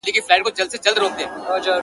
• له موږکه ځان ورک سوی دی غره دی,